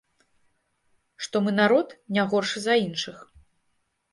Што мы народ, не горшы за іншых.